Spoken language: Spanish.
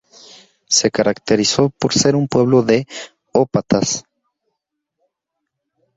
Se caracterizó por ser un pueblo de ópatas.